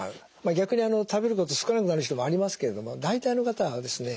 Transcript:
逆に食べること少なくなる人もありますけども大体の方がですね